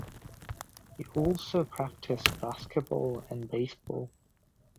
He also practiced basketball and baseball.